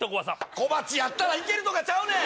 小鉢やったら行けるとかちゃうねん！